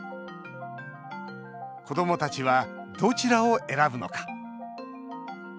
子どもたちはどちらを選ぶのか。